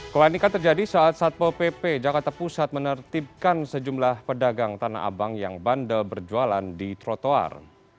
kelanikan terjadi saat satpol pp jakarta pusat menertibkan sejumlah pedagang tanah abang yang bandel berjualan di trotoar